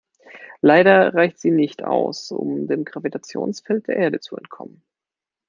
Leider reicht sie nicht aus, um dem Gravitationsfeld der Erde zu entkommen.